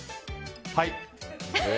はい。